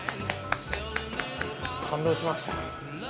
感動しました。